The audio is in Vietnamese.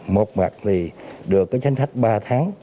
một mặt thì được tránh thách ba tháng